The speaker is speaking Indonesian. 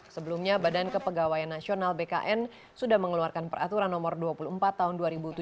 sebelumnya badan kepegawaian nasional bkn sudah mengeluarkan peraturan nomor dua puluh empat tahun dua ribu tujuh belas